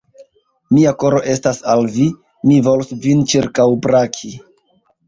Mia koro estas al vi, mi volus vin ĉirkaŭbraki!